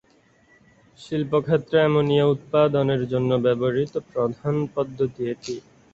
শিল্পক্ষেত্রে ammonia উৎপাদনের জন্য ব্যবহৃত প্রধান পদ্ধতি এটি।